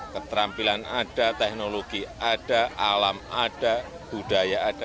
keterampilan ada teknologi ada alam ada budaya ada